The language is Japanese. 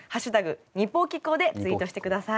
「＃にぽきこ」でツイートして下さい。